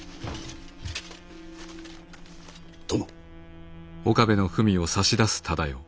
殿！